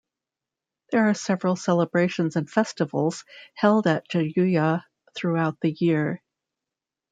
There are several celebrations and festivals held at Jayuya throughout the year.